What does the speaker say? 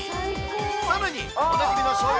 さらに、おなじみのしょうゆ